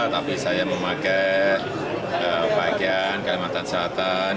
tapi saya memakai pakaian kalimantan selatan